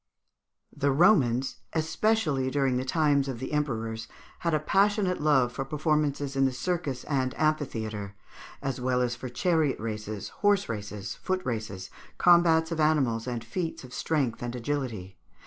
The Romans, especially during the times of the emperors, had a passionate love for performances in the circus and amphitheatre, as well as for chariot races, horse races, foot races, combats of animals, and feats of strength and agility.